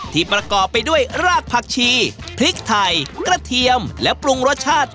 ประกอบไปด้วยรากผักชีพริกไทยกระเทียมและปรุงรสชาติ